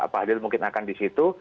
pak hadil mungkin akan di situ